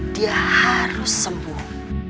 dia harus sembuh